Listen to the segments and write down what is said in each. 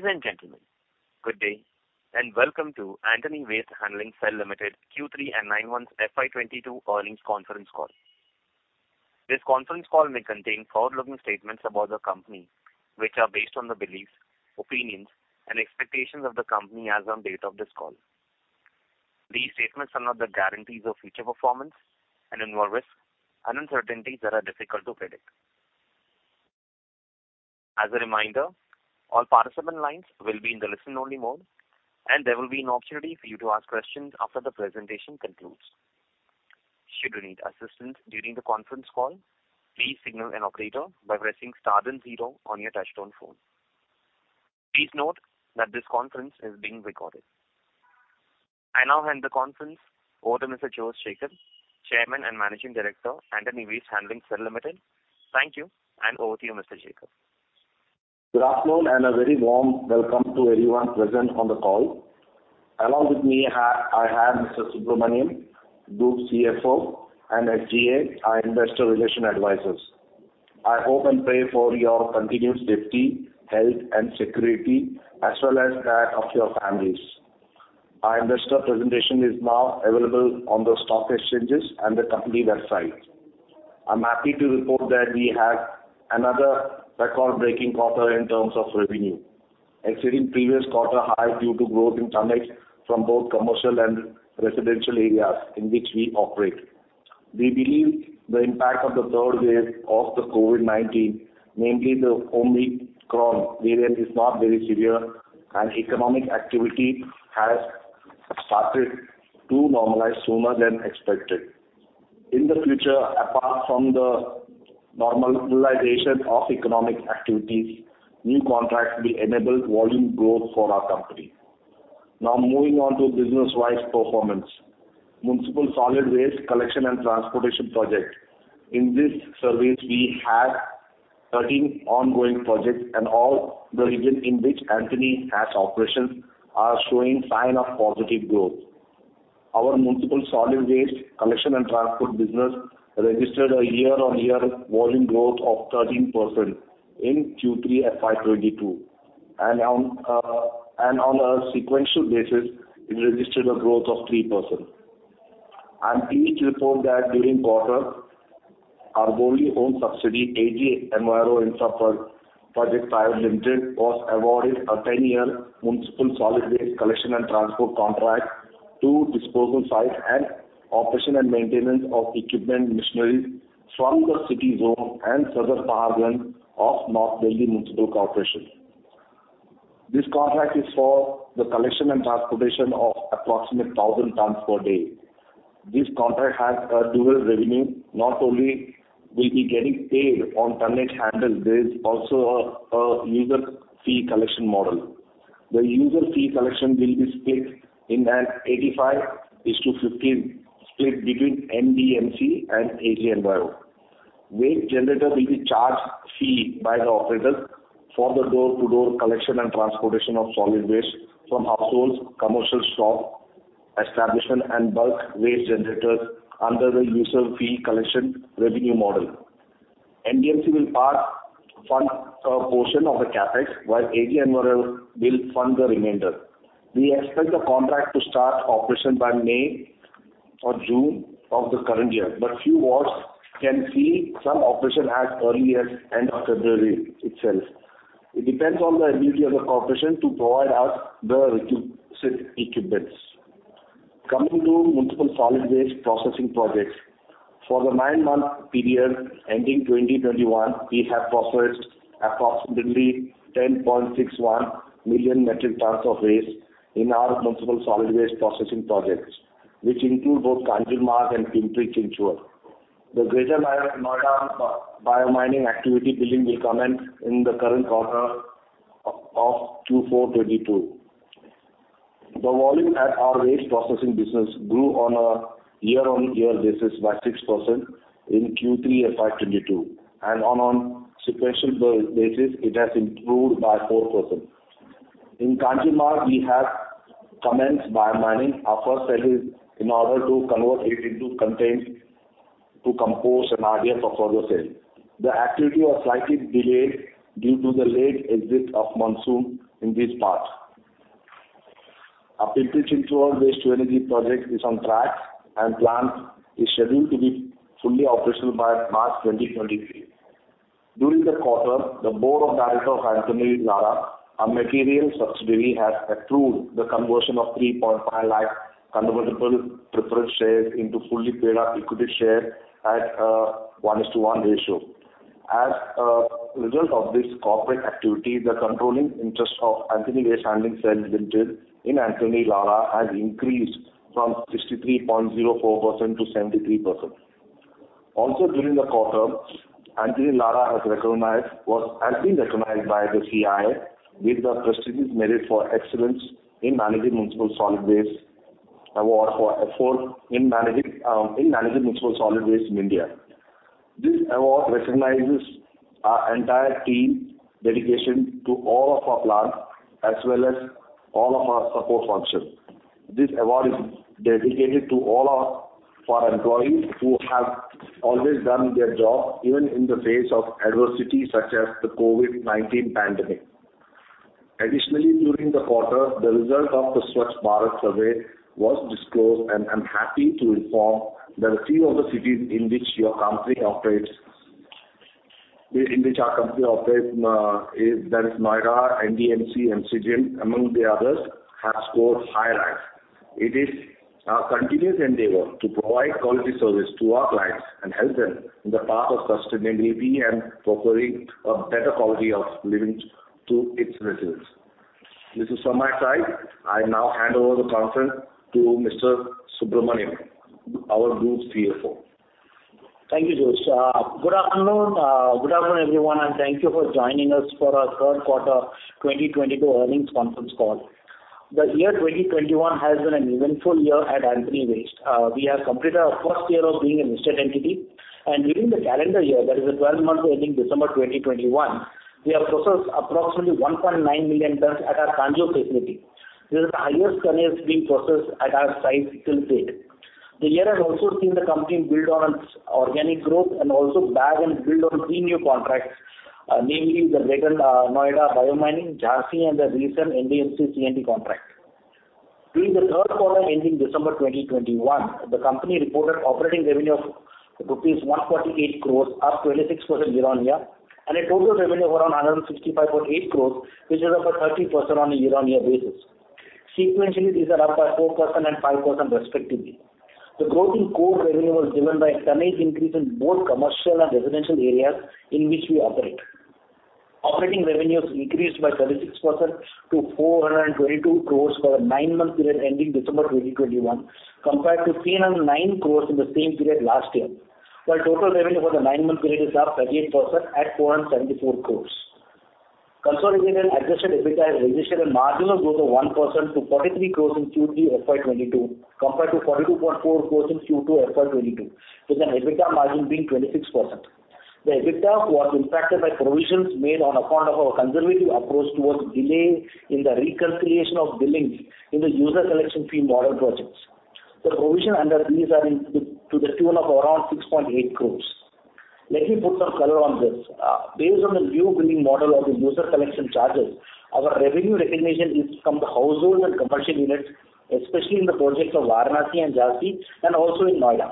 Ladies and gentlemen, good day, and welcome to Antony Waste Handling Cell Limited Q3 and nine months FY 2022 earnings conference call. This conference call may contain forward-looking statements about the company, which are based on the beliefs, opinions, and expectations of the company as on date of this call. These statements are not the guarantees of future performance and involve risks and uncertainties that are difficult to predict. As a reminder, all participant lines will be in the listen-only mode, and there will be an opportunity for you to ask questions after the presentation concludes. Should you need assistance during the conference call, please signal an operator by pressing star then zero on your touch-tone phone. Please note that this conference is being recorded. I now hand the conference over to Mr. Jose Jacob, Chairman and Managing Director, Antony Waste Handling Cell Limited. Thank you, and over to you, Mr. Jacob. Good afternoon, and a very warm welcome to everyone present on the call. Along with me, I have Mr. Subramaniam, Group CFO, and SGA, our Investor Relations Advisors. I hope and pray for your continued safety, health, and security as well as that of your families. Our investor presentation is now available on the stock exchanges and the company website. I'm happy to report that we have another record-breaking quarter in terms of revenue, exceeding previous quarter high due to growth in tonnage from both commercial and residential areas in which we operate. We believe the impact of the third wave of the COVID-19, namely the Omicron variant, is not very severe, and economic activity has started to normalize sooner than expected. In the future, apart from the normalization of economic activities, new contracts will enable volume growth for our company. Now moving on to business-wise performance. Municipal Solid Waste Collection & Transportation project. In this service, we have 13 ongoing projects, and all the regions in which Antony has operations are showing sign of positive growth. Our Municipal Solid Waste Collection & Transport business registered a year-on-year volume growth of 13% in Q3 FY 2022, and on a sequential basis, it registered a growth of 3%. I'm pleased to report that during quarter, our wholly-owned subsidiary, AG Enviro Infra Projects Private Limited, was awarded a 10-year Municipal Solid Waste Collection and Transport Contract to disposal site and operation and maintenance of equipment, machinery from the City Zone and Sadar Paharganj of North Delhi Municipal Corporation. This contract is for the collection and transportation of approximately 1,000 tons per day. This contract has a dual revenue. Not only we'll be getting paid on tonnage handled, there is also a user fee collection model. The user fee collection will be split in an 85 is to 15 split between NDMC and AG Enviro. Waste generator will be charged fee by the operator for the door-to-door collection and transportation of solid waste from households, commercial shop, establishment, and bulk waste generators under the user fee collection revenue model. NDMC will fund a portion of the CapEx, while AG Enviro will fund the remainder. We expect the contract to start operation by May or June of the current year, but few wards can see some operation as early as end of February itself. It depends on the ability of the corporation to provide us the requisite equipment. Coming to Municipal Solid Waste Processing Projects. For the nine-month period ending 2021, we have processed approximately 10.61 million metric tons of waste in our Municipal Solid Waste Processing Projects, which include both Kanjurmarg and Pimpri-Chinchwad. The Greater Noida bio-mining activity billing will commence in the current quarter of Q4 2022. The volume at our waste processing business grew on a year-on-year basis by 6% in Q3 FY 2022, and on sequential basis, it has improved by 4%. In Kanjurmarg, we have commenced bio-mining our first cells in order to convert waste into compost and RDF for further sale. The activity was slightly delayed due to the late exit of monsoon in this part. Our Pimpri-Chinchwad waste-to-energy project is on track, and plant is scheduled to be fully operational by March 2023. During the quarter, the Board of Directors of Antony Lara, our material subsidiary, has approved the conversion of 3.5 lakh convertible preferred shares into fully paid-up equity shares at a one is to one ratio. As a result of this corporate activity, the controlling interest of Antony Waste Handling Cell Limited in Antony Lara has increased from 63.04% to 73%. Also during the quarter, Antony Lara has been recognized by the CII with the prestigious Merit for Excellence in Managing Municipal Solid Waste Award for effort in managing municipal solid waste in India. This award recognizes our entire team's dedication to all of our plants as well as all of our support functions. This award is dedicated to all our employees who have always done their job even in the face of adversity such as the COVID-19 pandemic. Additionally, during the quarter, the result of the Swachh Bharat survey was disclosed, and I'm happy to inform that a few of the cities in which our company operates is Noida, NDMC and MCGM, among the others, have scored high ranks. It is our continuous endeavor to provide quality service to our clients and help them in the path of sustainability and proffering a better quality of living to its residents. This is from my side. I now hand over the conference to Mr. Subramaniam, our Group CFO. Thank you, Jose. Good afternoon, everyone, and thank you for joining us for our third quarter 2022 earnings conference call. The year 2021 has been an eventful year at Antony Waste. We have completed our first year of being a listed entity, and during the calendar year, that is the 12-months ending December 2021, we have processed approximately 1.9 million tons at our Kanjur facility. This is the highest tonnage being processed at our site to date. The year has also seen the company build on its organic growth and also bag and build on three new contracts, namely the Greater Noida bio-mining, Jhansi and the recent NDMC C&T contract. During the third quarter ending December 2021, the company reported operating revenue of rupees 148 crore, up 26% year-on-year, and a total revenue of around 165.8 crore, which is up by 30% on a year-on-year basis. Sequentially, these are up by 4% and 5% respectively. The growth in core revenue was driven by a tonnage increase in both commercial and residential areas in which we operate. Operating revenues increased by 36% to 422 crore for the nine-month period ending December 2021, compared to 309 crore in the same period last year, while total revenue for the nine-month period is up 38% at 474 crore. Consolidated adjusted EBITDA registered a marginal growth of 1% to 43 crore in Q3 FY 2022, compared to 42.4 crore in Q2 FY 2022, with an EBITDA margin of 26%. The EBITDA was impacted by provisions made on account of our conservative approach towards delay in the recalculation of billings in the user collection fee model projects. The provision under these are to the tune of around 6.8 crore. Let me put some color on this. Based on the new billing model of the user collection charges, our revenue recognition is from the household and commercial units, especially in the projects of Varanasi and Jhansi and also in Noida.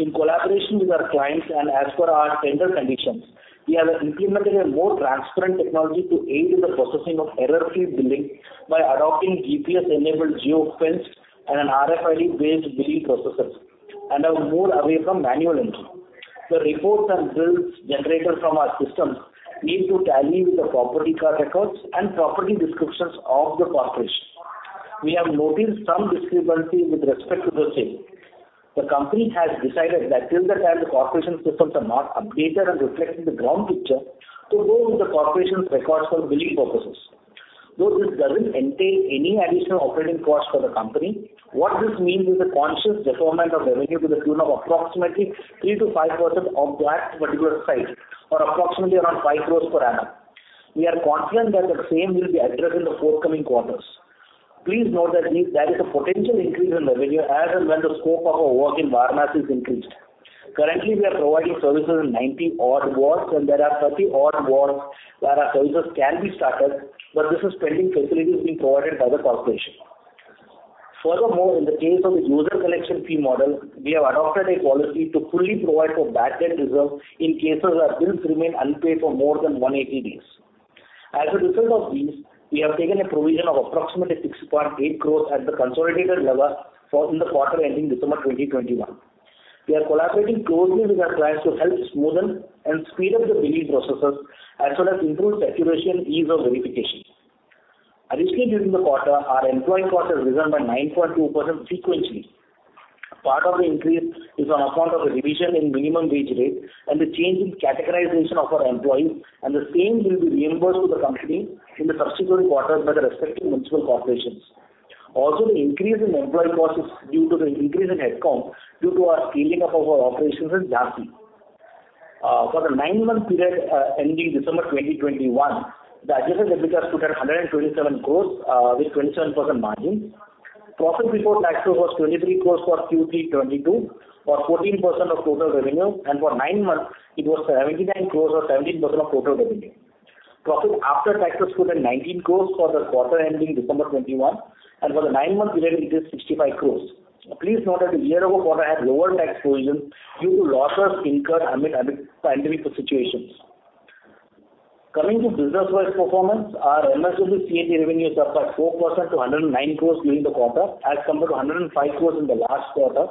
In collaboration with our clients and as per our tender conditions, we have implemented a more transparent technology to aid in the processing of error-free billing by adopting GPS-enabled geo-fence and an RFID-based billing processes and have moved away from manual entry. The reports and bills generated from our systems need to tally with the property card records and property descriptions of the corporation. We have noticed some discrepancies with respect to the same. The company has decided that till the time the corporation systems are not updated and reflecting the ground picture, to go with the corporation's records for billing purposes. Though this doesn't entail any additional operating costs for the company, what this means is a conscious deferment of revenue to the tune of approximately 3%-5% of that particular site or approximately around 5 crore per annum. We are confident that the same will be addressed in the forthcoming quarters. Please note that there is a potential increase in revenue as and when the scope of our work in Varanasi is increased. Currently, we are providing services in 90-odd wards, and there are 30-odd wards where our services can be started, but this is pending facilities being provided by the Corporation. Furthermore, in the case of the user fee collection model, we have adopted a policy to fully provide for bad debt reserve in cases where bills remain unpaid for more than 180 days. As a result of these, we have taken a provision of approximately 6.8 crore at the consolidated level for the quarter ending December 2021. We are collaborating closely with our clients to help smoothen and speed up the billing processes as well as improve accuracy and ease of verification. Additionally, during the quarter, our employee costs have risen by 9.2% sequentially. Part of the increase is on account of the revision in minimum wage rate and the change in categorization of our employees, and the same will be reimbursed to the company in the subsequent quarters by the respective municipal corporations. Also, the increase in employee cost is due to the increase in headcount due to our scaling up of our operations in Jhansi. For the nine-month period ending December 2021, the adjusted EBITDA stood at 127 crore with 27% margin. Profit before taxes was 23 crore for Q3 2022 or 14% of total revenue, and for nine months, it was 79 crore or 17% of total revenue. Profit after taxes stood at 19 crore for the quarter ending December 2021, and for the nine-month period, it is 65 crore. Please note that the year-over quarter had lower tax provision due to losses incurred amid pandemic situations. Coming to business-wise performance, our MSW C&T revenues are up by 4% to 109 crore during the quarter as compared to 105 crore in the last quarter.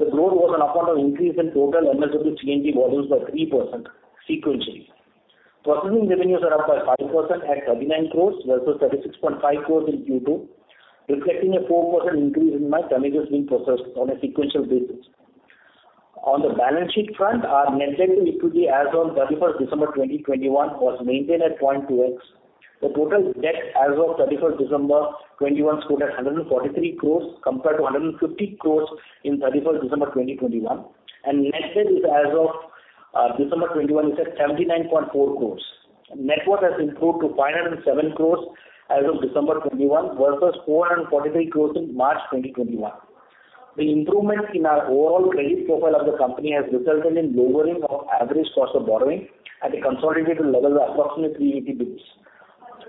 The growth was on account of increase in total MSW C&T volumes by 3% sequentially. Processing revenues are up by 5% at 39 crore versus 36.5 crore in Q2, reflecting a 4% increase in [my] tonnages being processed on a sequential basis. On the balance sheet front, our net debt to EBITDA as on 31st December 2021 was maintained at 0.2x. The total debt as of 31st December 2021 stood at 143 crore compared to 150 crore in 31st December 2021. Net debt is as of December 2021 is at 79.4 crore. Net worth has improved to 507 crore as of December 2021 versus 443 crore in March 2021. The improvement in our overall credit profile of the company has resulted in lowering of average cost of borrowing at a consolidated level of approximately 380 basis.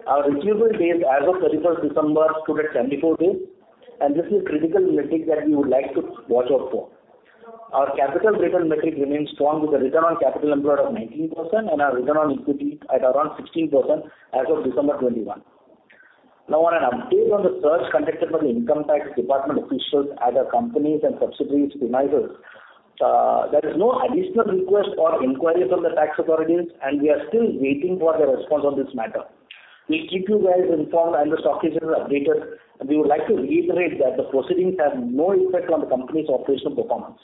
Our receivable days as of 31st December stood at 74 days, and this is a critical metric that we would like to watch out for. Our capital driven metric remains strong with a return on capital employed of 19% and our return on equity at around 16% as of December 2021. Now on an update on the search conducted by the income tax department officials at our company's and subsidiaries premises, there is no additional request or inquiries from the tax authorities, and we are still waiting for the response on this matter. We'll keep you guys informed and the stock exchanges updated. We would like to reiterate that the proceedings have no effect on the company's operational performance.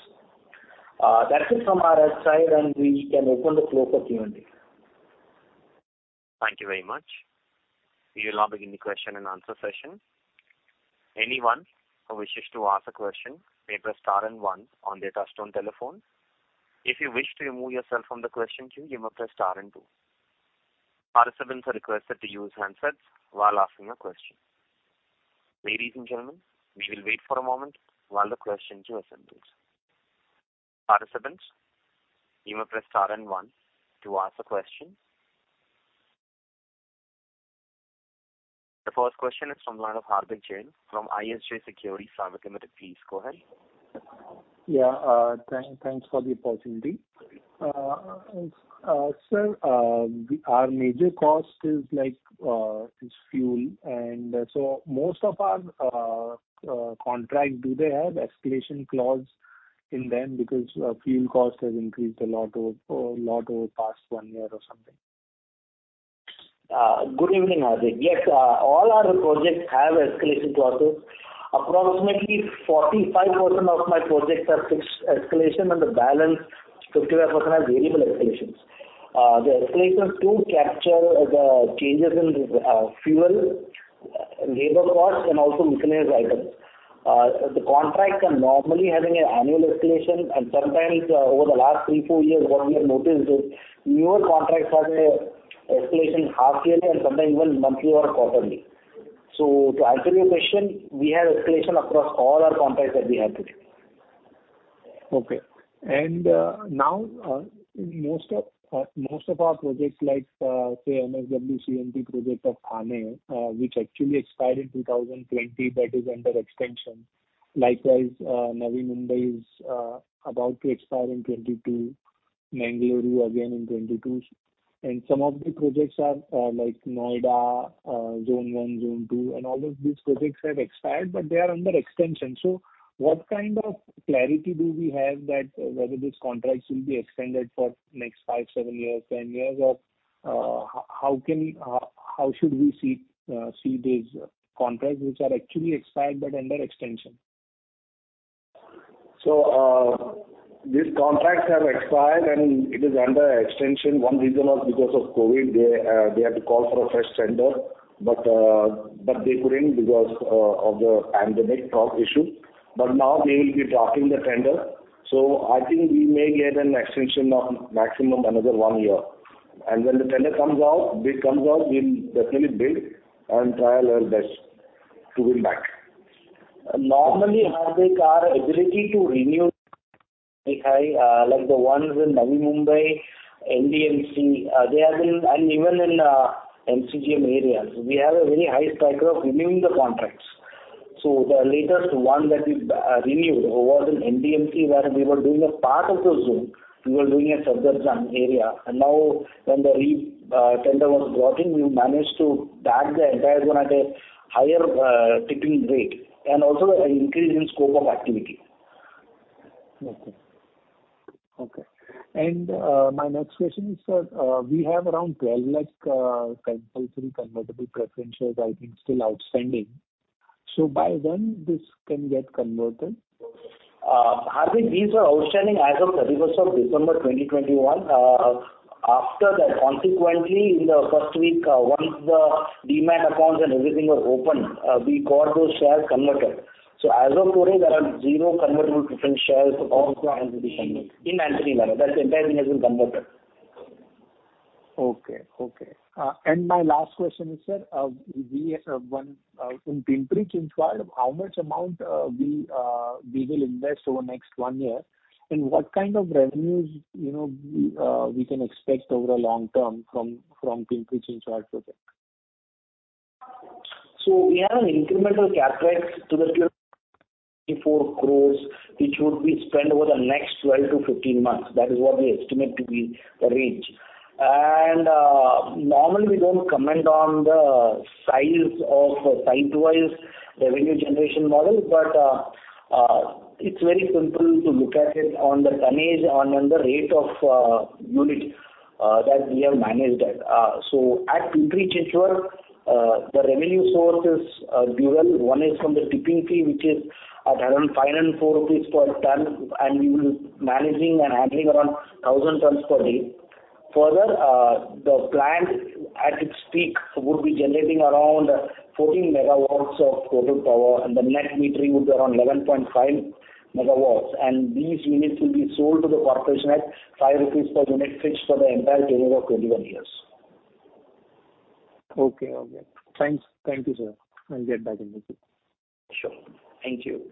That's it from our side, and we can open the floor for Q&A. Thank you very much. We will now begin the question and answer session. Anyone who wishes to ask a question may press star and one on their touch-tone telephone. If you wish to remove yourself from the question queue, you may press star and two. Participants are requested to use handsets while asking a question. Ladies and gentlemen, we will wait for a moment while the question queue assembles. Participants, you may press star and one to ask a question. The first question is from the line of Hardik Jain from ISJ Securities Private Limited. Please go ahead. Yeah. Thanks for the opportunity. Sir, our major cost is like fuel and so most of our contract, do they have escalation clause in them because fuel cost has increased a lot over the past one year or something? Good evening, Hardik. Yes, all our projects have escalation clauses. Approximately 45% of my projects have fixed escalation and the balance 55% have variable escalations. The escalations do capture the changes in fuel, labor costs and also miscellaneous items. The contracts are normally having an annual escalation. Sometimes over the last three, four years, what we have noticed is newer contracts have an escalation half-yearly and sometimes even monthly or quarterly. To answer your question, we have escalation across all our contracts that we have today. Okay. Now most of our projects like, say MSW, C&T project of Thane, which actually expired in 2020, that is under extension. Likewise, Navi Mumbai is about to expire in 2022, Mangaluru again in 2022. Some of the projects are like Noida, zone one, zone two, and all of these projects have expired, but they are under extension. What kind of clarity do we have that whether these contracts will be extended for next five, seven years, 10 years? Or, how should we see these contracts which are actually expired but under extension? These contracts have expired and it is under extension. One reason was because of COVID. They had to call for a fresh tender, but they couldn't because of the pandemic problem issue. Now they will be drafting the tender. I think we may get an extension of maximum another year. When the tender comes out, bid comes out, we'll definitely bid and try our best to win back. Normally, Hardik, our ability to renew like the ones in Navi Mumbai, NDMC, they have been. Even in MCGM areas, we have a very high track record of renewing the contracts. The latest one that we renewed was in NDMC, where we were doing a part of the zone. We were doing a Safdarjung area. Now when the tender was brought in, we managed to bag the entire zone at a higher tipping rate and also an increase in scope of activity. My next question is, sir, we have around 12 lakh compulsory convertible preferential, I think, still outstanding. By when this can get converted? Hardik, these are outstanding as of 31st December 2021. After that, consequently in the first week, once the demat accounts and everything was opened, we got those shares converted. As of today there are zero convertible preferential [of all shares will be share mixed]- Okay.... In Antony Lara, that entire thing has been converted. Okay. My last question is, sir, we have one in Pimpri-Chinchwad, how much amount we will invest over next one year? What kind of revenues, you know, we can expect over the long term from Pimpri-Chinchwad project? We have an incremental CapEx to the tune of 84 crore, which would be spent over the next 12-15 months. That is what we estimate to be the range. Normally we don't comment on the size of the site-wise revenue generation model, but it's very simple to look at it on the tonnage, on the rate per unit that we have managed at. At Pimpri-Chinchwad, the revenue source is dual. One is from the tipping fee, which is at around 504 rupees per ton, and we are managing and handling around 1,000 tons per day. The plant at its peak would be generating around 14 MW of total power and the net metering would be around 11.5 MW. These units will be sold to the corporation at 5 rupees per unit fixed for the entire tenure of 21 years. Okay. Thanks. Thank you, sir. I'll get back in with you. Sure. Thank you.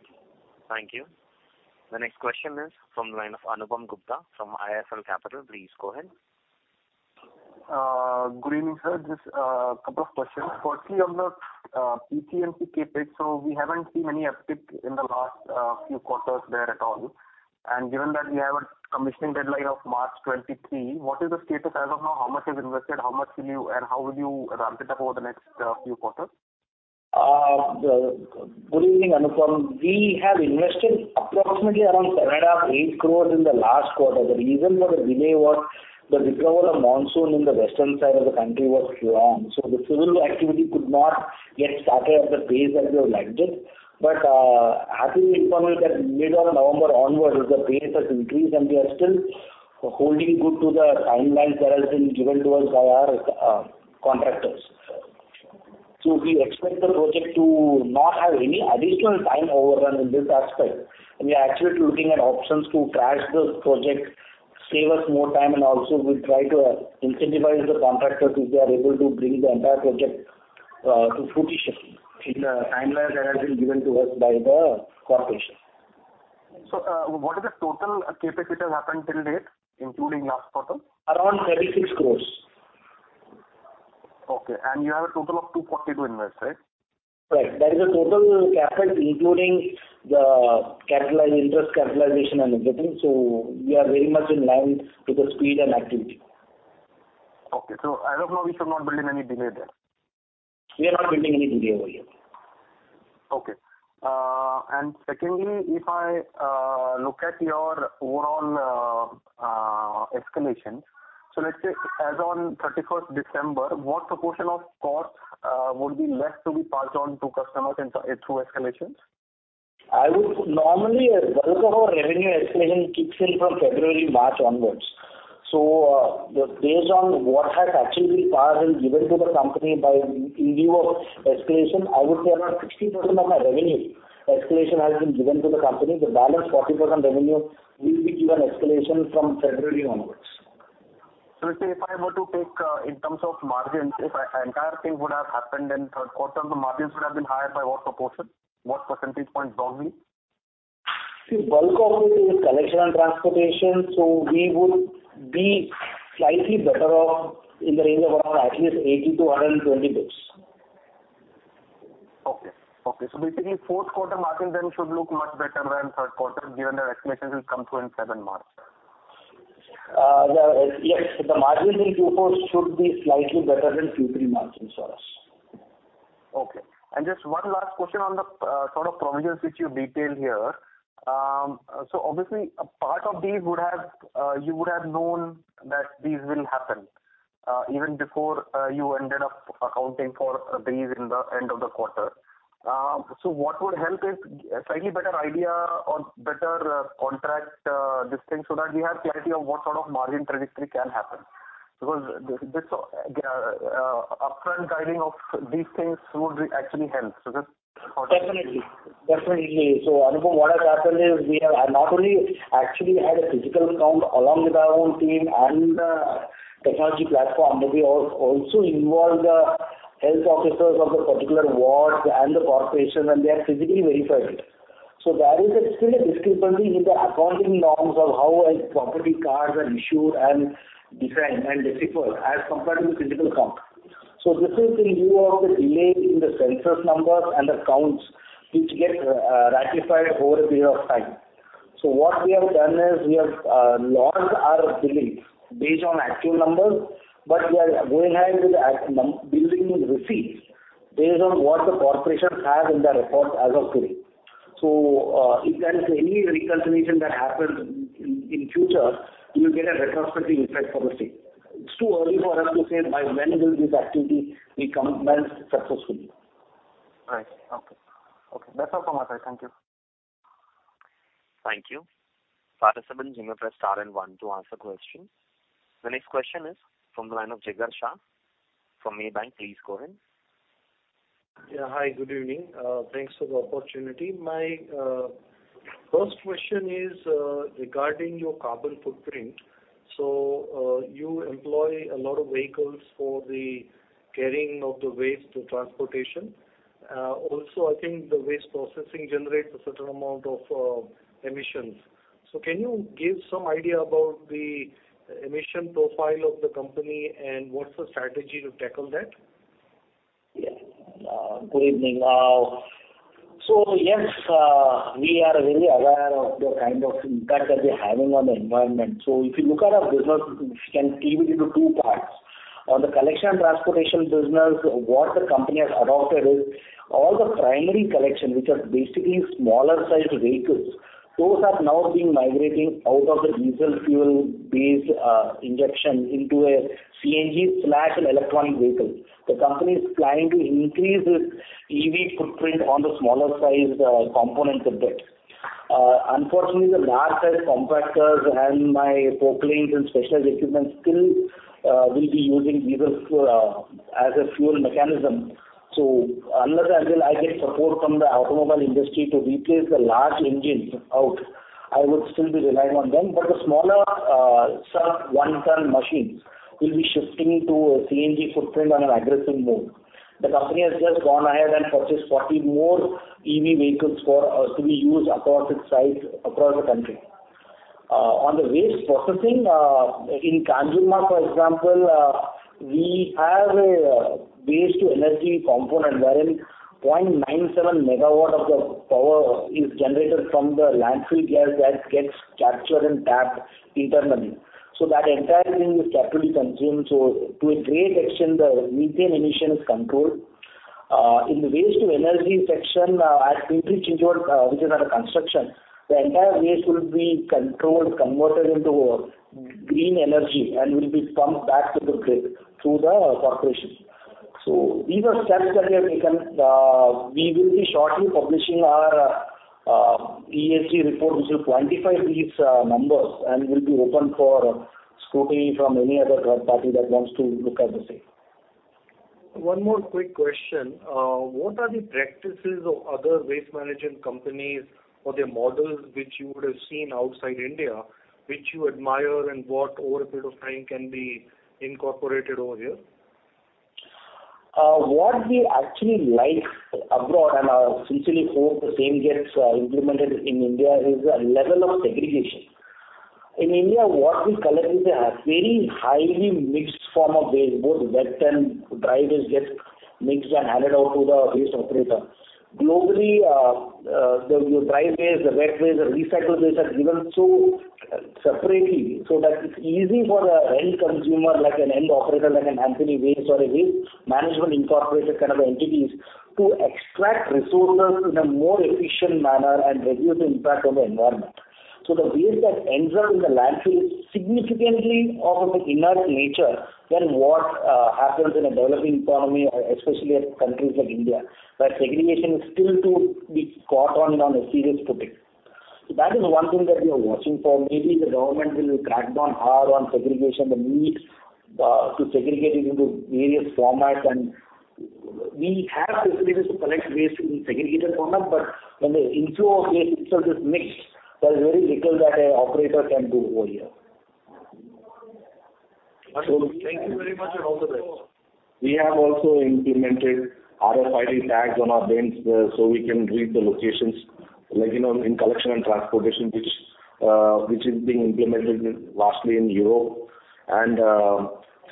Thank you. The next question is from the line of Anupam Gupta from IIFL Capital. Please go ahead. Good evening, sir. Just a couple of questions. Firstly, on the PCMC CapEx. We haven't seen any uptick in the last few quarters there at all. Given that we have a commissioning deadline of March 2023, what is the status as of now? How much is invested, how much will you invest and how will you ramp it up over the next few quarters? Good evening, Anupam. We have invested approximately around 7.5 crore-8 crore in the last quarter. The reason for the delay was the recovery of monsoon in the western side of the country was slow, and the civil activity could not get started at the pace that we would like it. As we informed that mid of November onwards, the pace has increased and we are still holding good to the timelines that have been given to us by our contractors. We expect the project to not have any additional time overrun in this aspect. We are actually looking at options to crash the project, save us more time, and also we try to incentivize the contractors if they are able to bring the entire project to fruition in the timelines that have been given to us by the corporation. What is the total CapEx that has happened till date, including last quarter? Around 36 crore. Okay. You have a total of 240 to invest, right? Right. That is the total CapEx, including the interest capitalization and everything. We are very much in line with the speed and activity. Okay. As of now, we should not build in any delay there. We are not building any delay over here. Okay. Secondly, if I look at your overall escalation. Let's say as on December, what proportion of cost would be left to be passed on to customers and through escalations? I would normally bulk of our revenue escalation kicks in from February, March onwards. Based on what has actually been passed and given to the company by in lieu of escalation, I would say about 60% of my revenue escalation has been given to the company. The balance 40% revenue will be given escalation from February onwards. Let's say if I were to take, in terms of margins, if the entire thing would have happened in third quarter, the margins would have been higher by what proportion? What percentage points roughly? See, bulk of it is collection and transportation. We would be slightly better off in the range of around at least 80 basis-120 basis. Okay, basically fourth quarter margins then should look much better than third quarter given that escalation will come through in 7 March. Yes. The margin in Q4 should be slightly better than Q3 margins for us. Okay. Just one last question on the sort of provisions which you've detailed here. Obviously a part of these would have you would have known that these will happen even before you ended up accounting for these in the end of the quarter. What would help is a slightly better idea or better contract this thing, so that we have clarity on what sort of margin trajectory can happen. Because this upfront guiding of these things would actually help. Just- Definitely. Anupam, what has happened is we have not only actually had a physical count along with our own team and the technology platform, but we have also involved the health officers of the particular ward and the corporation, and they have physically verified it. There is still a discrepancy with the accounting norms of how property cards are issued and designed and deciphered as compared to the physical count. This is in lieu of the delay in the census numbers and the counts which get ratified over a period of time. What we have done is we have logged our billing based on actual numbers, but we are going ahead with billing with receipts based on what the corporations have in their report as of today. If there is any reconciliation that happens in future, you get a retrospective effect for the same. It's too early for us to say by when will this activity be commenced successfully. Right. Okay. That's all from my side. Thank you. Thank you. Participants, you may press star and one to ask a question. The next question is from the line of Jigar Shah from Maybank. Please go ahead. Hi, good evening. Thanks for the opportunity. My first question is regarding your carbon footprint. You employ a lot of vehicles for the carrying of the waste for transportation. Also, I think the waste processing generates a certain amount of emissions. Can you give some idea about the emission profile of the company and what's the strategy to tackle that? Good evening. Yes, we are very aware of the kind of impact that we're having on the environment. If you look at our business, we can tease it into two parts. On the collection and transportation business, what the company has adopted is all the primary collection, which are basically smaller-sized vehicles. Those have now been migrating out of the diesel fuel-based injection into a CNG or an electronic vehicle. The company is planning to increase its EV footprint on the smaller-sized components of that. Unfortunately, the large-size compactors and my forklifts and specialized equipment still will be using diesel as a fuel mechanism. Unless until I get support from the automobile industry to replace the large engines out, I would still be relying on them. The smaller, sub one-ton machines will be shifting to a CNG footprint on an aggressive mode. The company has just gone ahead and purchased 40 more EV vehicles for us to be used across its sites, across the country. On the waste processing in Kanjurmarg, for example, we have a waste-to-energy component wherein 0.97 MW of the power is generated from the landfill gas that gets captured and tapped internally. That entire thing is completely consumed. To a great extent, the methane emission is controlled. In the waste-to-energy section at Pimpri-Chinchwad, which is under construction, the entire waste will be controlled, converted into green energy and will be pumped back to the grid through the corporation. These are steps that we have taken. We will be shortly publishing our ESG report, which will quantify these numbers and will be open for scrutiny from any other third party that wants to look at the same. One more quick question. What are the practices of other waste management companies or their models which you would have seen outside India, which you admire, and what over a period of time can be incorporated over here? What we actually like abroad, and I sincerely hope the same gets implemented in India, is a level of segregation. In India, what we collect is a very highly mixed form of waste, both wet and dry waste gets mixed and handed out to the waste operator. Globally, the dry waste, the wet waste, the recycled waste are given so separately, so that it's easy for the end consumer, like an end operator, like an Antony Waste or a Waste Management, Incorporated, kind of entities, to extract resources in a more efficient manner and reduce the impact on the environment. The waste that ends up in the landfill is significantly of an inert nature than what happens in a developing economy, especially as countries like India, where segregation is still to be caught on a serious topic. That is one thing that we are watching for. Maybe the government will crack down hard on segregation, the need, to segregate it into various formats. We have facilities to collect waste in segregated format, but when the inflow of waste itself is mixed, there's very little that an operator can do over here. Thank you very much, and all the best. We have also implemented RFID tags on our bins, so we can read the locations, like, you know, in collection and transportation, which is being implemented vastly in Europe.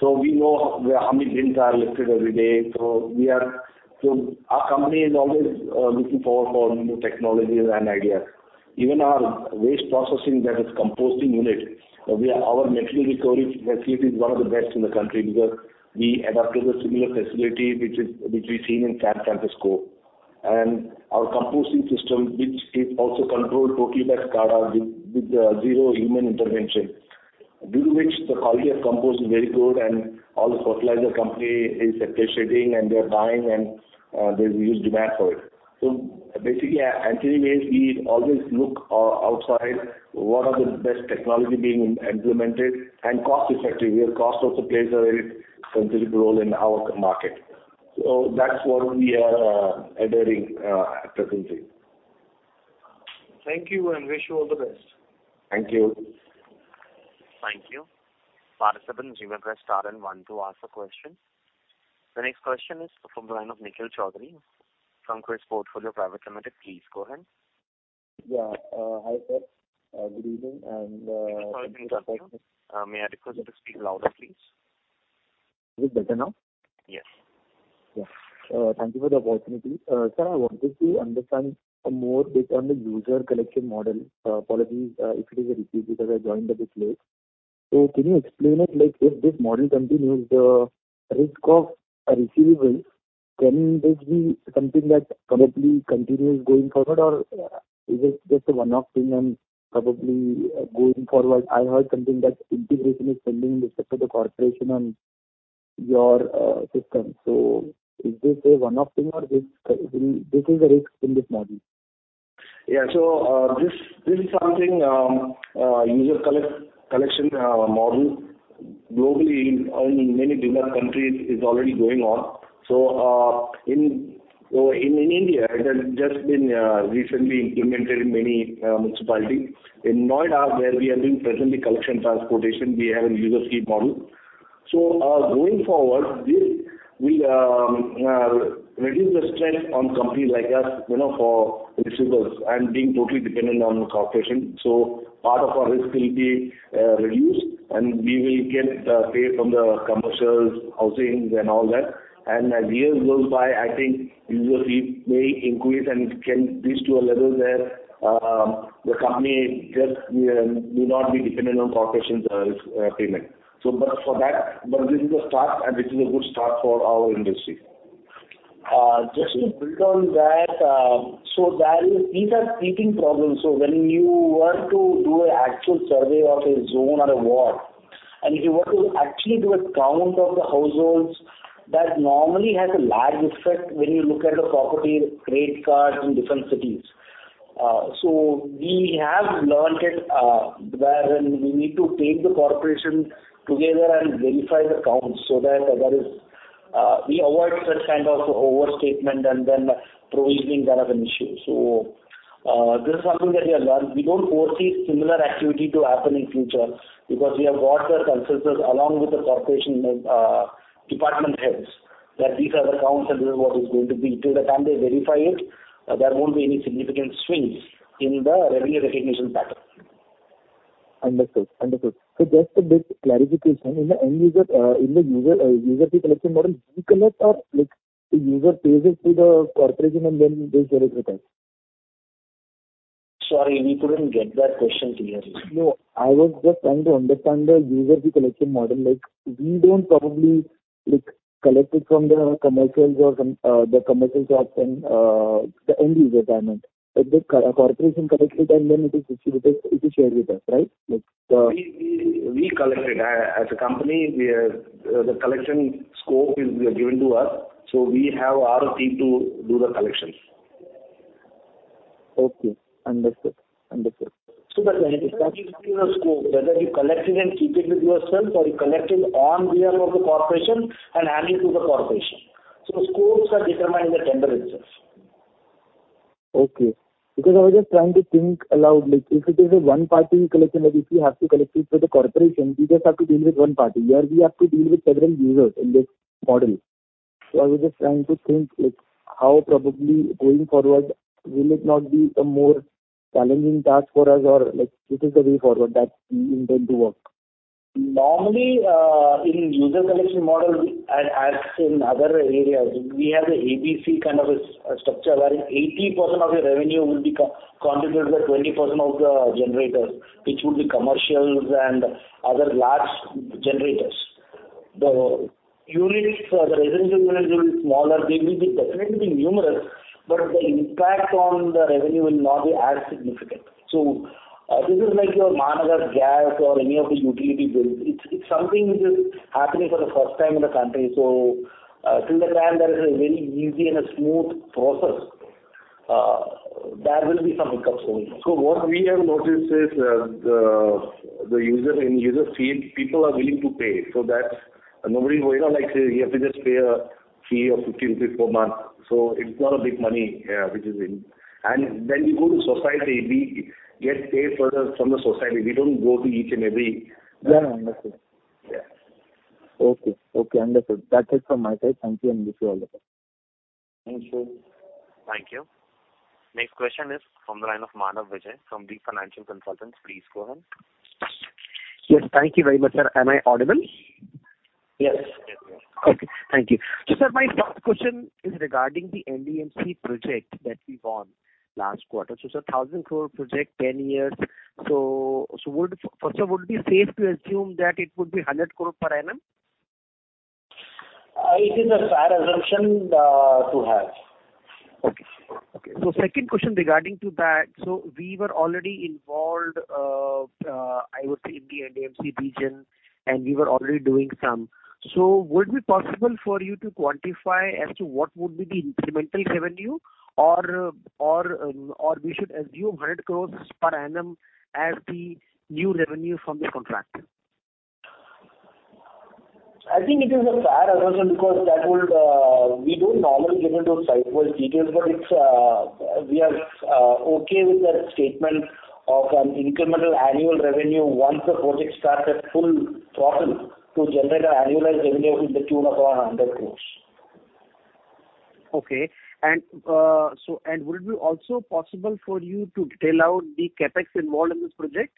We know how many bins are lifted every day. Our company is always looking forward for new technologies and ideas. Even our waste processing that is composting unit, our material recovery facility is one of the best in the country because we adopted a similar facility which we've seen in San Francisco. Our composting system, which is also controlled totally by SCADA with zero human intervention, due to which the quality of compost is very good and all the fertilizer company is appreciating and they're buying and there's huge demand for it. Basically, at Antony Waste, we always look outside what are the best technology being implemented and cost-effective. Cost also plays a very sensible role in our market. That's what we are adhering at present. Thank you, and wish you all the best. Thank you. Thank you. Participant, you may press star and one to ask a question. The next question is from the line of Nikhil Chowdhary from KRIIS Portfolio Private Limited. Please go ahead. Yeah. Hi, sir. Good evening, and- Sorry to interrupt you. May I request you to speak louder, please? Is it better now? Yes. Yeah. Thank you for the opportunity. Sir, I wanted to understand more based on the user collection model. Apologies, if it is a repeat because I joined a bit late. Can you explain it like if this model continues, the risk of receivables, can this be something that probably continues going forward? Or, is it just a one-off thing and probably going forward, I heard something that integration is pending with the corporation on your system. Is this a one-off thing or this is a risk in this model? This is something, user collection model globally in many developed countries is already going on. In India, it has just been recently implemented in many municipalities. In Noida, where we are doing presently collection transportation, we have a user fee model. Going forward, this will reduce the stress on company like us, you know, for receivables and being totally dependent on the corporation. Part of our risk will be reduced and we will get paid from the commercials, housings and all that. As years goes by, I think user fee may increase and it can reach to a level where the company just may not be dependent on corporation's risk payment. This is a start, and this is a good start for our industry. Just to build on that, these are creeping problems, so when you To do an actual survey of a zone or a ward, and if you were to actually do a count of the households, that normally has a lag effect when you look at the property rate cards in different cities. We have learned it, where when we need to take the corporation together and verify the counts so that we avoid such kind of overstatement and then provisioning kind of an issue. This is something that we have learned. We don't foresee similar activity to happen in the future because we have got the consensus along with the corporation, department heads that these are the counts and this is what is going to be. Till the time they verify it, there won't be any significant swings in the revenue recognition pattern. Understood. Just a bit of clarification. In the user fee collection model, do you collect, or like, the user pays it to the corporation and then they share it with us? Sorry, we couldn't get that question clearly. No, I was just trying to understand the user fee collection model. Like, we don't probably, like, collect it from the commercials or the commercial shops and the end user payment. Like, the corporation collects it and then it is distributed, it is shared with us, right? We collect it. As a company, the collection scope is given to us, so we have our team to do the collection. Okay, understood. Understood. The collection is given a scope, whether you collect it and keep it with yourself, or you collect it on behalf of the corporation and hand it to the corporation. Scopes are determined in the tender itself. Okay. Because I was just trying to think aloud, like if it is a one party collection, like if we have to collect it for the corporation, we just have to deal with one party. Here we have to deal with several users in this model. I was just trying to think, like, how probably going forward will it not be a more challenging task for us or, like, what is the way forward that we intend to work? Normally, in user collection model, as in other areas, we have a ABC kind of a structure, where 80% of the revenue will be co-contributed by 20% of the generators, which would be commercials and other large generators. The units for the residential units will be smaller. They will be definitely numerous, but the impact on the revenue will not be as significant. This is like your Mahanagar Gas or any of the utility bills. It's something which is happening for the first time in the country, so till the time there is a very easy and a smooth process, there will be some hiccups only. What we have noticed is that the user in user fee, people are willing to pay. That's nobody going on, like, say you have to just pay a fee of 50 rupees per month, so it's not a big money, yeah, which is in. When you go to society, we get paid from the society. We don't go to each and every house. Yeah, I understand. Yeah. Okay. Okay, understood. That's it from my side. Thank you and wish you all the best. Thank you. Thank you. Next question is from the line of Manav Vijay from Deep Financial Consultants. Please go ahead. Yes, thank you very much, sir. Am I audible? Yes. Okay. Thank you. Sir, my first question is regarding the NDMC project that we won last quarter. It's a 1,000 crore project, 10 years. Would it be safe to assume that it would be 100 crore per annum? It is a fair assumption to have. Okay. Second question regarding that. We were already involved, I would say in the NDMC region, and we were already doing some. Would it be possible for you to quantify as to what would be the incremental revenue or we should assume INR 100 crore per annum as the new revenue from this contract? I think it is a fair assumption because that would. We don't normally get into site-wide details, but we are okay with that statement of an incremental annual revenue once the project starts at full throttle to generate an annualized revenue in the tune of around INR 100 crore. Okay. Would it be also possible for you to detail out the CapEx involved in this project?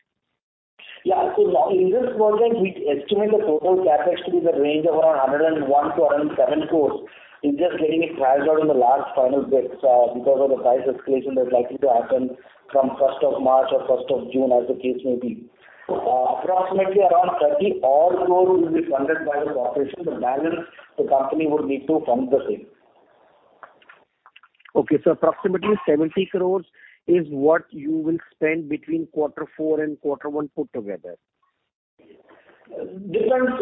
Yeah. In this project, we estimate the total CapEx to be in the range of around 101 crore-107 crore. It's just getting it finalized in the last final bits, because of the price escalation that's likely to happen from 1st of March or 1st of June as the case may be. Approximately around 30-odd crore will be funded by the corporation. The balance, the company would need to fund the same. Okay. Approximately 70 crore is what you will spend between quarter four and quarter one put together. Depends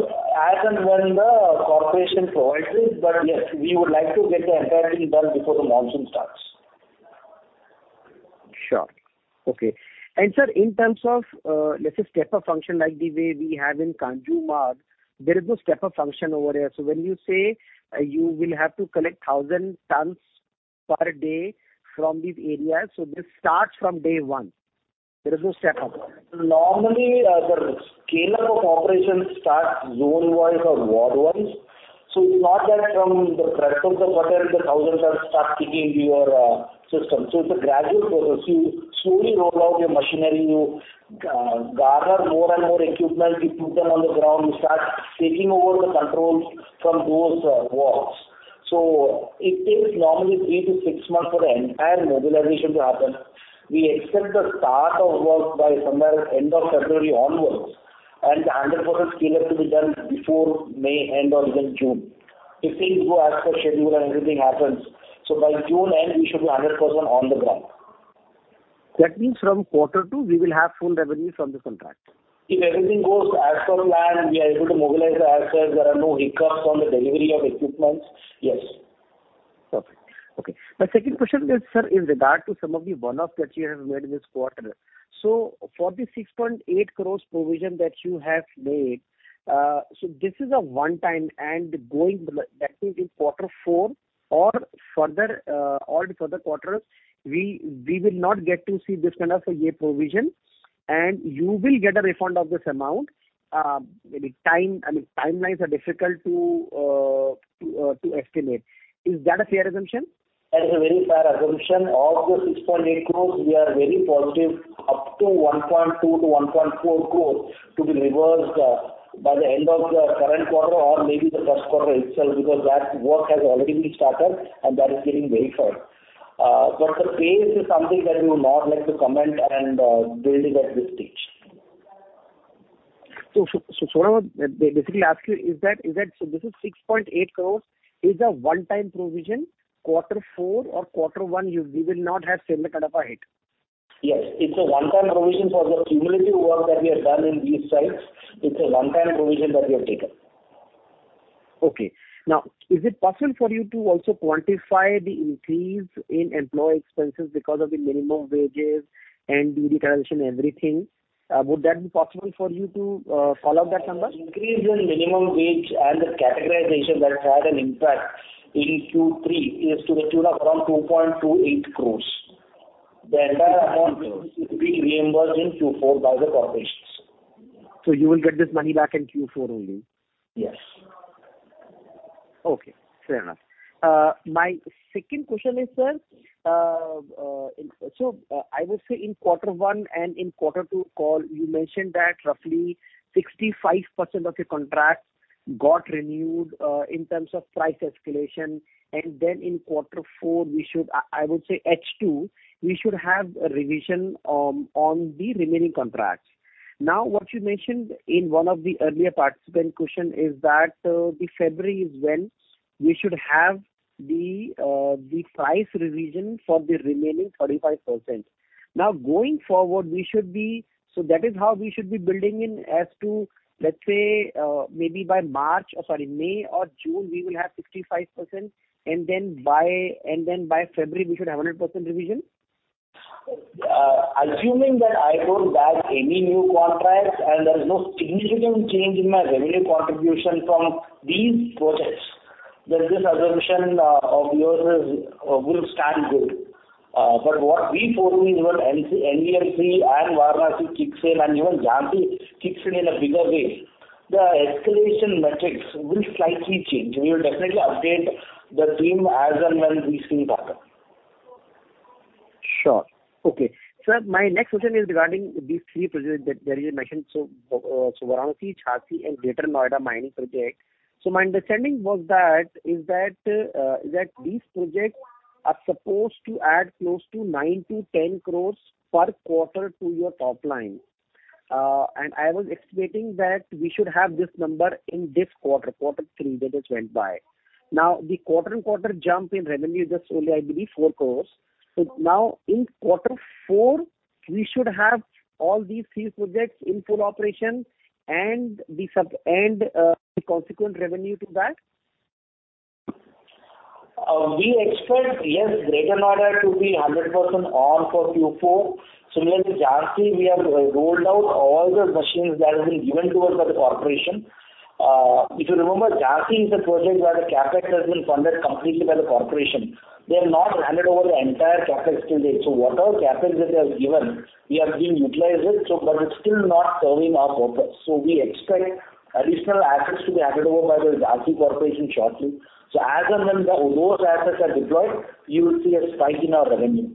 as and when the corporation provides it, but yes, we would like to get the entire thing done before the monsoon starts. Sure. Okay. Sir, in terms of, let's say, step up function like the way we have in Kanjurmarg, there is no step up function over here. When you say you will have to collect 1,000 tons per day from these areas, this starts from day one. There is no step up. Normally, the scale-up of operations starts zone-wise or ward-wise. It's not that from the press of a button the 1,000 tons start kicking into your system. It's a gradual process. You slowly roll out your machinery, you garner more and more equipment, you put them on the ground, you start taking over the controls from those wards. It takes normally thee-six months for the entire mobilization to happen. We expect the start of work by somewhere end of February onwards. The 100% scale up to be done before May end or even June. If things go as per schedule and everything happens. By June end, we should be 100% on the ground. That means from quarter two, we will have full revenues on this contract. If everything goes as per plan, we are able to mobilize the assets, there are no hiccups on the delivery of equipment, yes. Perfect. Okay. My second question is, sir, in regard to some of the one-off that you have made in this quarter. For the 6.8 crore provision that you have made, this is a one time and going, that means in quarter four or further, all the further quarters, we will not get to see this kind of a year provision, and you will get a refund of this amount. Maybe time, I mean, timelines are difficult to estimate. Is that a fair assumption? That is a very fair assumption. Of the 6.8 crore, we are very positive up to 1.2 crore-1.4 crore to be reversed by the end of the current quarter or maybe the first quarter itself, because that work has already been started and that is getting verified. The pace is something that we would not like to comment and build it at this stage. What I was basically asking is that this is 6.8 crore, a one-time provision? Quarter four or quarter one, we will not have similar kind of a hit? Yes. It's a one-time provision for the cumulative work that we have done in these sites. It's a one-time provision that we have taken. Okay. Now, is it possible for you to also quantify the increase in employee expenses because of the minimum wages and duty transition, everything? Would that be possible for you to call out that number? Increase in minimum wage and the categorization that had an impact in Q3 is to the tune of around 2.28 crore. The entire amount will be reimbursed in Q4 by the corporations. You will get this money back in Q4 only. Yes. Okay, fair enough. My second question is, sir, so I would say in quarter one and in quarter two call, you mentioned that roughly 65% of your contracts got renewed in terms of price escalation. Then in quarter four, I would say H2, we should have a revision on the remaining contracts. Now, what you mentioned in one of the earlier participant question is that February is when we should have the price revision for the remaining 35%. Now, going forward, we should be. That is how we should be building in as to, let's say, maybe by March or sorry, May or June, we will have 65%, and then by February, we should have 100% revision. Assuming that I don't bag any new contracts and there is no significant change in my revenue contribution from these projects, then this assumption of yours will stand good. What we foresee is what NDMC and Varanasi kicks in, and even Jhansi kicks in a bigger way. The escalation metrics will slightly change. We will definitely update the team as and when these things happen. Sure. Okay. Sir, my next question is regarding these three projects that you mentioned. Varanasi, Jhansi and Greater Noida mining project. My understanding was that these projects are supposed to add close to 9 crore-10 crore per quarter to your top line. I was expecting that we should have this number in this quarter three that has went by. Now, the quarter-over-quarter jump in revenue is just only, I believe, 4 crore. Now in quarter four, we should have all these three projects in full operation and the consequent revenue to that. We expect, yes. Greater Noida to be 100% on for Q4. Similarly, Jhansi, we have rolled out all the machines that have been given to us by the corporation. If you remember, Jhansi is a project where the CapEx has been funded completely by the corporation. They have not handed over the entire CapEx till date. Whatever CapEx that they have given, we have been utilizing, but it's still not serving our purpose. We expect additional assets to be handed over by the Jhansi Corporation shortly. As and when those assets are deployed, you will see a spike in our revenue.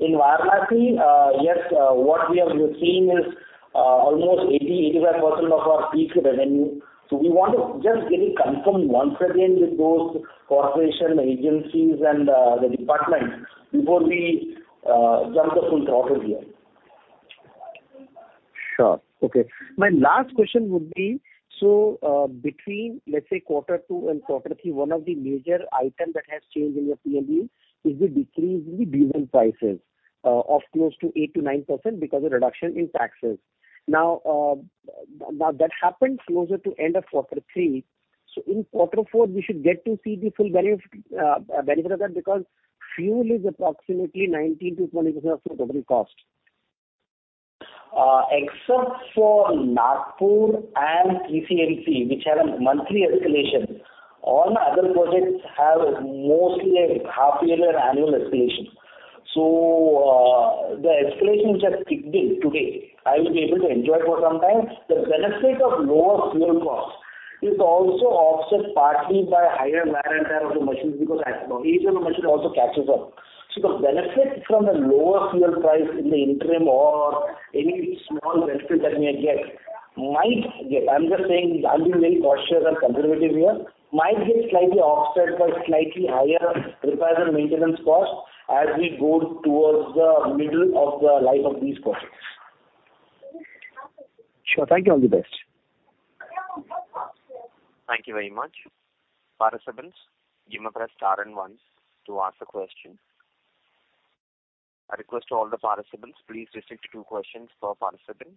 In Varanasi, yes, what we have been seeing is almost 85% of our peak revenue. We want to just get it confirmed once again with those corporation agencies and the departments before we jump the full throttle here. Sure. Okay. My last question would be, so, between, let's say, quarter two and quarter three, one of the major item that has changed in your P&L is the decrease in the diesel prices, of close to 8%-9% because of reduction in taxes. Now that happened closer to end of quarter three. In quarter four, we should get to see the full value benefit of that because fuel is approximately 19%-20% of your total cost. Except for Nagpur and PCMC, which have a monthly escalation, all my other projects have mostly a half yearly or annual escalation. The escalation which has kicked in today, I will be able to enjoy it for some time. The benefit of lower fuel costs is also offset partly by higher wear and tear of the machines because age of the machine also catches up. The benefit from the lower fuel price in the interim or any small benefit that we might get, I'm just saying I'll be very cautious and conservative here, might get slightly offset by slightly higher repairs and maintenance costs as we go towards the middle of the life of these projects. Sure. Thank you. All the best. Thank you very much. Participants, you may press star and one to ask a question. I request to all the participants, please restrict to two questions per participant.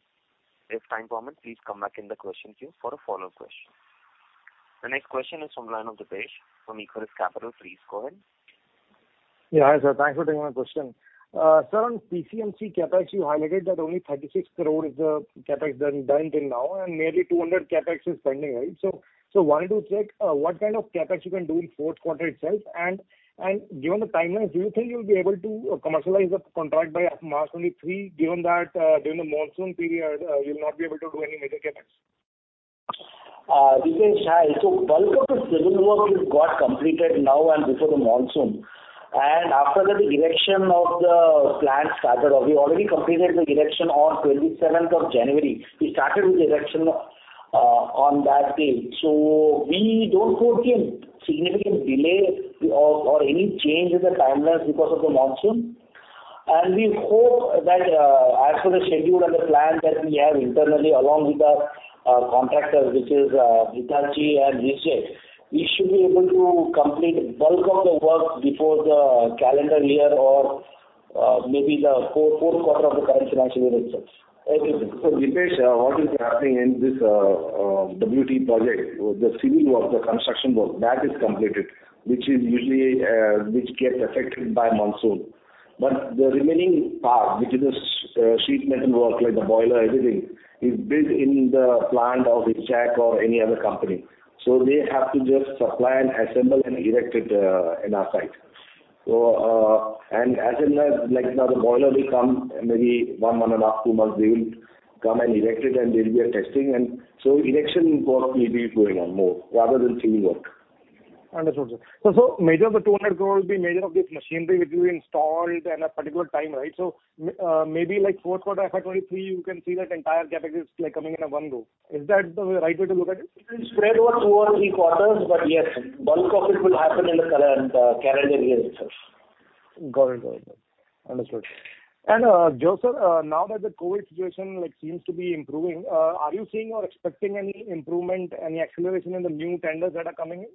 If time permits, please come back in the question queue for a follow question. The next question is from the line of Depesh from Equirus Capital. Please go ahead. Yeah. Hi, sir. Thanks for taking my question. Sir, on PCMC CapEx, you highlighted that only 36 crore is the CapEx done till now, and nearly 200 crore CapEx is pending, right? Wanted to check what kind of CapEx you can do in fourth quarter itself and given the timelines, do you think you'll be able to commercialize the contract by March 2023, given that during the monsoon period you'll not be able to do any major CapEx? This is Shiju. Bulk of the civil work is got completed now and before the monsoon. After that, the erection of the plant started off. We already completed the erection on 27th of January. We started with the erection on that day. We don't foresee a significant delay or any change in the timelines because of the monsoon. We hope that, as per the schedule and the plan that we have internally along with our contractor, which is Hitachi and ISGEC, we should be able to complete bulk of the work before the calendar year or maybe the fourth quarter of the current financial year itself. Over to you. Depesh, what is happening in this WTE project? The civil work, the construction work, that is completed, which is usually which gets affected by monsoon. The remaining part, which is the sheet metal work, like the boiler, everything, is built in the plant of ISGEC or any other company. They have to just supply and assemble and erect it in our site. Like now the boiler will come maybe 1.5 month and half, two months deal. They will come and erect it and there'll be a testing. Erection work will be going on more rather than civil work. Understood, sir. Majority of the 200 crore will be for this machinery which will be installed in a particular time, right? Maybe like fourth quarter FY 2023, you can see that entire CapEx is like coming in one go. Is that the right way to look at it? It will spread over two or three quarters, but yes, bulk of it will happen in the calendar year itself. Got it. Understood. Jose, sir, now that the COVID situation like seems to be improving, are you seeing or expecting any improvement, any acceleration in the new tenders that are coming?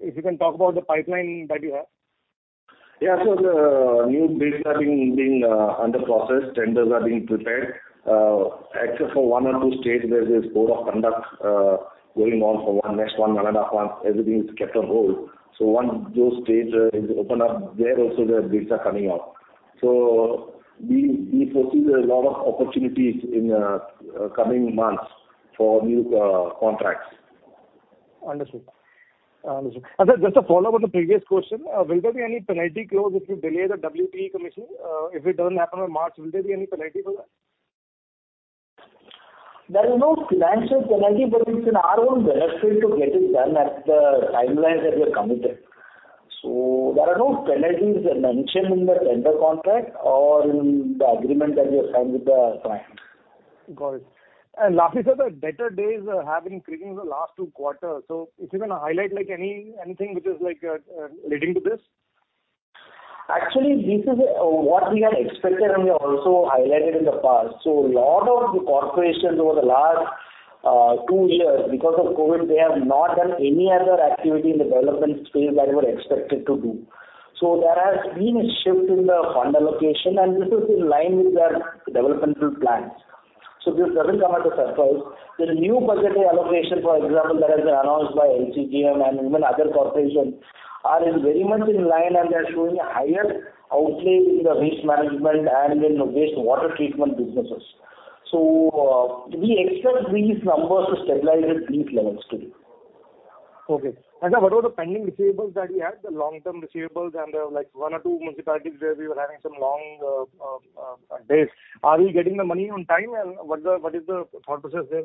If you can talk about the pipeline that you have. The new bids are being in process. Tenders are being prepared. Except for one or two states where there's code of conduct going on for the next 1.5 months, everything is kept on hold. Once those states open up, they'll also the bids are coming out. We foresee a lot of opportunities in coming months for new contracts. Understood. Sir, just a follow-up on the previous question. Will there be any penalty clause if you delay the WTE commissioning? If it doesn't happen on March, will there be any penalty for that? There is no financial penalty, but it's in our own interest to get it done at the timelines that we are committed. There are no penalties mentioned in the tender contract or in the agreement that we have signed with the client. Got it. Lastly, sir, the debtor days have been creeping in the last two quarters. If you can highlight like anything which is like leading to this. Actually, this is what we had expected and we also highlighted in the past. A lot of the corporations over the last two years, because of COVID, they have not done any other activity in the development space that they were expected to do. There has been a shift in the fund allocation, and this is in line with their developmental plans. This doesn't come as a surprise. The new budgetary allocation, for example, that has been announced by MCGM and even other corporations are very much in line and they are showing a higher outlay in the waste management and in waste water treatment businesses. We expect these numbers to stabilize at these levels today. Okay. What about the pending receivables that you had, the long-term receivables and the like one or two municipalities where we were having some long days. Are we getting the money on time? What is the thought process there?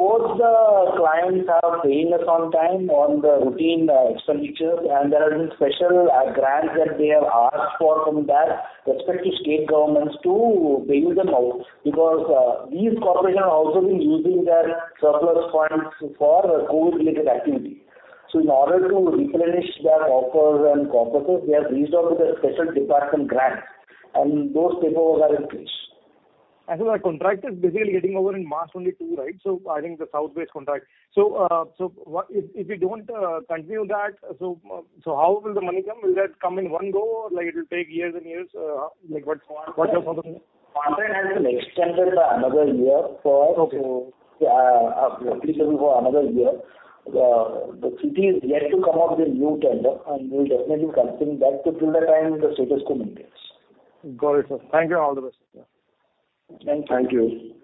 Both the clients are paying us on time on the routine expenditures, and there are these special grants that they have asked for from the respective state governments to bail them out because these corporations have also been using their surplus funds for COVID-19-related activity. In order to replenish their coffers and corpuses, they have reached out to the special department grants and those paperwork are in place. The contract is basically getting over in March 2022, right? I think the South Waste contract. What if we don't continue that? How will the money come? Will that come in one go or like it'll take years and years? Like what's the... Contract has been extended for another year. Okay. Basically for another year. The city is yet to come out with a new tender, and we'll definitely continue that, but till the time the status quo maintains. Got it, sir. Thank you. All the best. Thank you. Thank you.